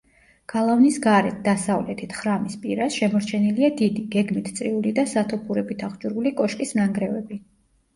გალავნის გარეთ, დასავლეთით, ხრამის პირას, შემორჩენილია დიდი, გეგმით წრიული და სათოფურებით აღჭურვილი კოშკის ნანგრევები.